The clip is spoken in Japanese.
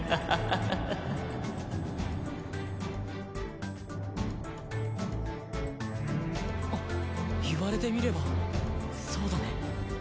ハハハハハ言われてみればそうだね。